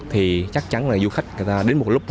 thì chắc chắn là du khách đến một lúc